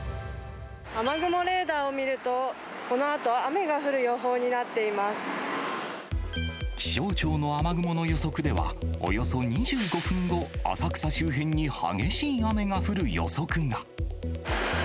雨雲レーダーを見ると、このあと、気象庁の雨雲の予測では、およそ２５分後、浅草周辺に激しい雨が降る予測が。